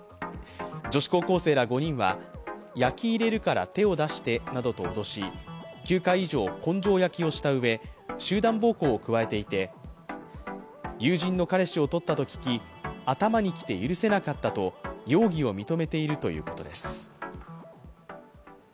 女子高校生ら５人はヤキ入れるから手出してなどと脅し９回以上、根性焼きをしたうえ集団暴行を加えていて友人の彼氏を取ったと聞き頭にきて許せなかったと容疑を認めているということです。